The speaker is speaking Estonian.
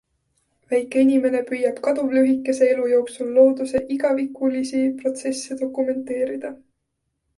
Väike inimene püüab kaduvlühikese elu jooksul looduse igavikulisi protsesse dokumenteerida.